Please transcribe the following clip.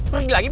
pergi lagi bos